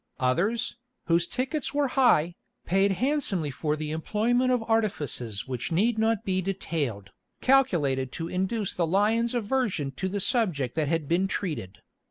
Others, whose tickets were high, paid handsomely for the employment of artifices which need not be detailed, calculated to induce in the lions aversion to the subject that had been treated.